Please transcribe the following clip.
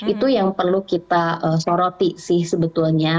itu yang perlu kita soroti sih sebetulnya